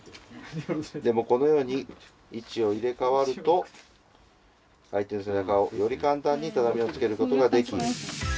でもこのように位置を入れ替わると相手の背中をより簡単に畳につけることができ。